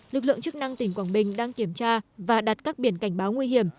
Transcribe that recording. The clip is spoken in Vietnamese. lực lượng chức năng tỉnh quảng bình đang kiểm tra và đặt các biển cảnh báo nguy hiểm